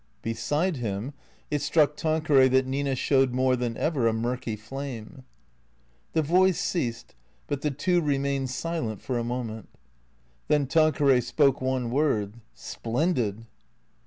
Beside him, it struck Tanqueray that Nina showed more than ever a murky flame. The voice ceased, but the two remained silent for a moment. Then Tanqueray spoke one word, " Splendid